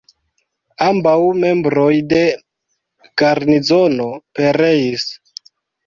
Ambaŭ membroj de garnizono pereis.